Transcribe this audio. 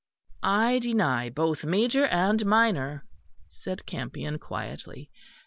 "I deny both major and minor," said Campion quietly.